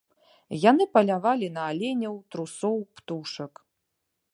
Яны палявалі на аленяў, трусоў, птушак.